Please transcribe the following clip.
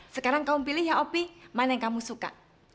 sekarang kamu pilih ya opi mana yang kamu suka